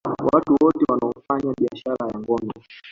Watu wote wanaoufanya biashara ya ngono